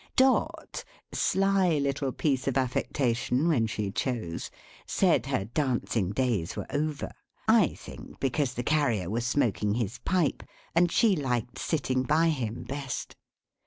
Dot (sly little piece of affectation when she chose) said her dancing days were over; I think because the Carrier was smoking his pipe, and she liked sitting by him, best.